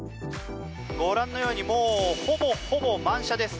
ご覧のようにもうほぼほぼ満車です。